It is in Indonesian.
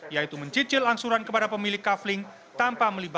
yaitu mencicil angsuran kepada pemerintah